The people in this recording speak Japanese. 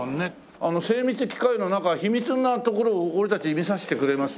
あの精密機械のなんか秘密なところを俺たちに見させてくれます？